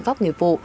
pháp nghiệp vụ